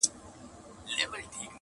مخ په مړوند کله پټیږي٫